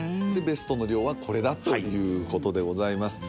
ベストの量はこれだということでございます